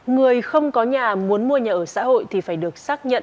người không có nhà muốn mua nhà ở xã hội thì phải được xác nhận chưa có nhà